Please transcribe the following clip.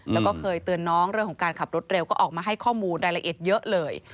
แล้วก็เคยเตือนน้องเรื่องของการขับรถเร็วก็ออกมาให้ข้อมูลรายละเอียดเยอะเลย